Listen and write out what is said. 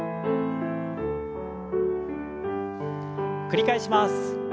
繰り返します。